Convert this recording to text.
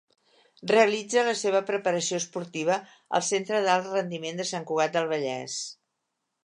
Realitza la seva preparació esportiva al Centre d'Alt Rendiment de Sant Cugat del Vallès.